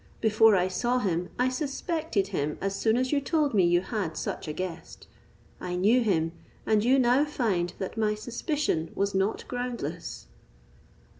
Before I saw him I suspected him as soon as you told me you had such a guest. I knew him, and you now find that my suspicion was not groundless."